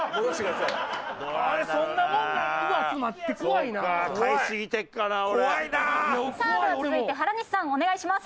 さあでは続いて原西さんお願いします。